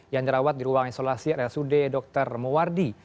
yang dirawat di ruang isolasi rsud dr muwardi